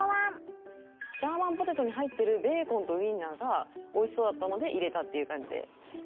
ジャーマンポテトに入ってるベーコンとウインナーがおいしそうだったので入れたっていう感じで。